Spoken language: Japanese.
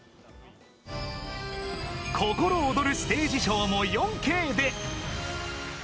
心躍るステージショーも４Ｋで！